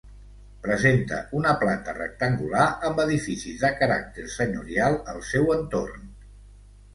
Presenta una planta rectangular amb edificis de caràcter senyorial al seu entorn.